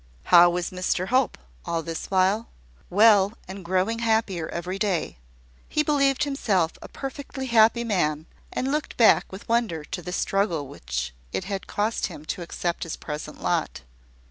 How was Mr Hope, all this while? Well, and growing happier every day. He believed himself a perfectly happy man, and looked back with wonder to the struggle which it had cost him to accept his present lot.